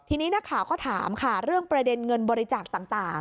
ทีนี้นักข่าวก็ถามค่ะเรื่องประเด็นเงินบริจาคต่าง